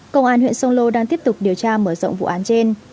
công an huyện sông lô đang tiếp tục điều tra mở rộng vụ án trên